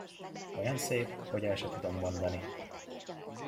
Olyan szép, hogy el se tudom mondani!